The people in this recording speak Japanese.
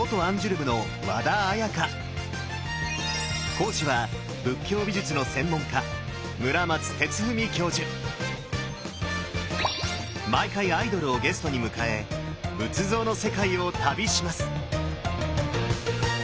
講師は仏教美術の専門家毎回アイドルをゲストに迎え仏像の世界を旅します！